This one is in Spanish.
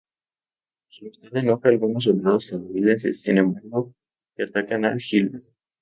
Su amistad enoja a algunos soldados estadounidenses, sin embargo, que atacan a Gilbert.